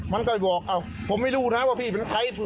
มันก็บอกผมไม่รู้นะว่าพี่เป็นใคร